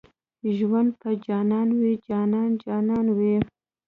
ژوند په جانان وي جانان جانان وي